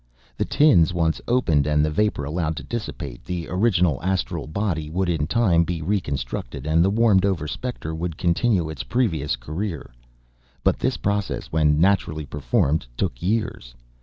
The tins once opened and the vapor allowed to dissipate, the original astral body would in time be reconstructed and the warmed over specter would continue its previous career. But this process, when naturally performed, took years.